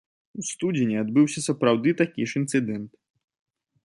У студзені адбыўся сапраўды такі ж інцыдэнт.